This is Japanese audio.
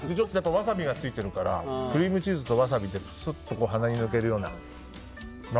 ワサビがついているからクリームチーズとワサビですっと鼻に抜けるような。